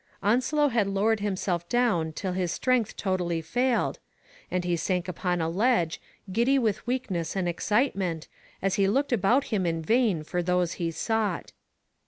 Onslow had lowered himself down till his strength totally failed, and he sank upon a ledge, giddy with weakness and excitement, as he looked about him in vain for those he sought.